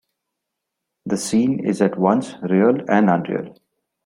The scene is at once real and unreal.